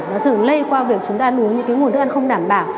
nó thường lây qua việc chúng ta ăn uống những nguồn thức ăn không đảm bảo